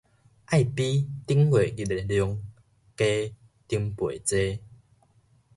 愛比頂月日的量加重倍濟